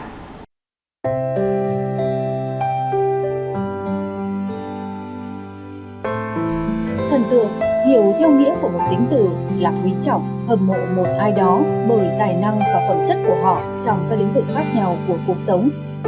thần tượng hiểu theo nghĩa của một tính từ là quý trọng hâm mộ một ai đó bởi tài năng và phẩm chất của họ trong các lĩnh vực khác nhau của cuộc sống